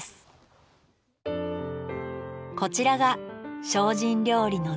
こちらが精進料理の膳。